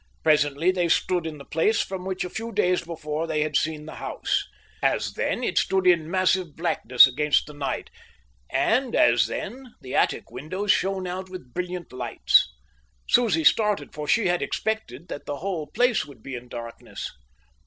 Presently they stood in the place from which a few days before they had seen the house. As then, it stood in massive blackness against the night and, as then, the attic windows shone out with brilliant lights. Susie started, for she had expected that the whole place would be in darkness.